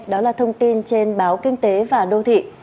đó là thông tin trên báo kinh tế và đô thị